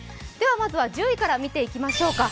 まずは１０位から見ていきましょうか。